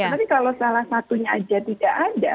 tapi kalau salah satunya aja tidak ada